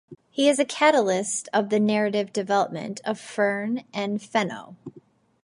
He is a catalyst in the narrative development of Fern and Fenno.